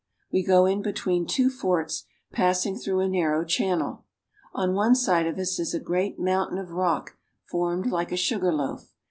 We go in between two forts, passing through a narrow channel. On one side of us is a great mountain of rock formed like a sugar loaf.